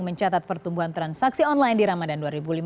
mencatat pertumbuhan transaksi online di ramadan dua ribu lima belas